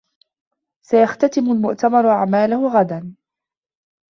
سيختتم المؤتمر أعماله غداً.